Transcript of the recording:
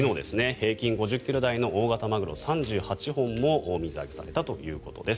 平均５０ｋｇ台の大型マグロが３８本も水揚げされたということです。